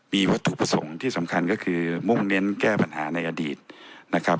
มีวัตถุประสงค์ที่สำคัญก็คือมุ่งเน้นแก้ปัญหาในอดีตนะครับ